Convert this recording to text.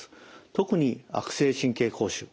特に悪性神経膠腫。